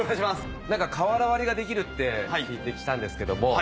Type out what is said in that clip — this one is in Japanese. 何か瓦割りができるって聞いてきたんですけども。